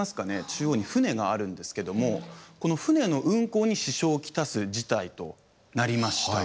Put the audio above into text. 中央に船があるんですけどもこの船の運航に支障を来す事態となりました。